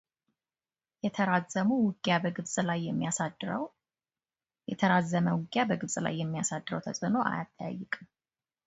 የተራዘመ ውጊያ በግብጽ ላይ የሚያሳድረው ተጽዕኖ አያጠያይቅም።